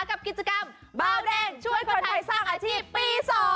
กับกิจกรรมเบาแดงช่วยคนไทยสร้างอาชีพปี๒